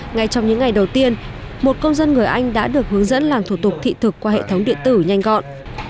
ngay trong những ngày đầu tiên một công dân người anh đã được hướng dẫn làm thủ tục thị thực qua hệ thống điện tử nhanh gọn